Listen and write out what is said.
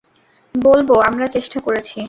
বলব, আমরা চেষ্টা করেছি।